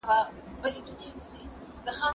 زه باید درس ولولم؟!